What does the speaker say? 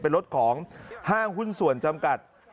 เป็นรถของห้างหุ้นส่วนจำกัด